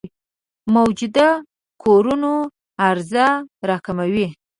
موجوده کورونو عرضه راکموي.